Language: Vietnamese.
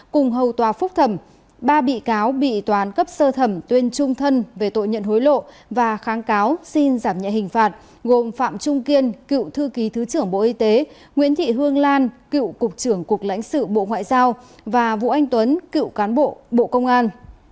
cùng hầu tòa phúc thẩm ba bị cáo bị toán cấp sơ thẩm tuyên trung thân về tội nhận hối lộ và kháng cáo xin giảm nhẹ hình phạt gồm phạm trung kiên cựu thư ký thứ trưởng bộ y tế nguyễn thị hương lan cựu cục trưởng cục lãnh sự bộ ngoại giao và vũ anh tuấn cựu cán bộ bộ công an